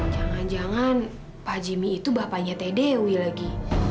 jangan jangan pak jimmy itu bapaknya tdewi lagi